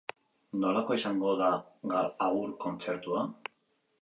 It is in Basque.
Nolakoa izango da agur kontzertua?